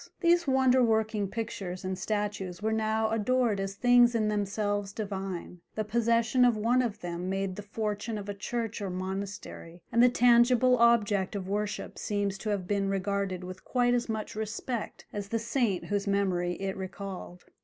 These wonder working pictures and statues were now adored as things in themselves divine: the possession of one of them made the fortune of a church or monastery, and the tangible object of worship seems to have been regarded with quite as much respect as the saint whose memory it recalled.